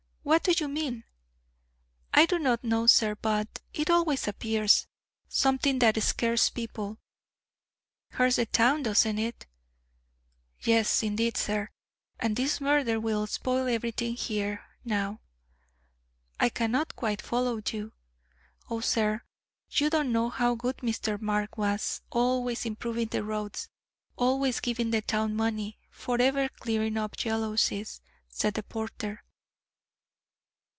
What do you mean?" "I do not know, sir, but it always appears. Something that scares people." "Hurts the town, doesn't it?" "Yes, indeed, sir; and this murder will spoil everything here now." "I cannot quite follow you." "Oh, sir, you don't know how good Mr. Mark was: Always improving the roads; always giving the town money; forever clearing up jealousies," said the porter.